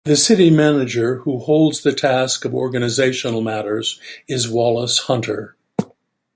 The city manager, who holds the task of organizational matters, is Wallace Hunter.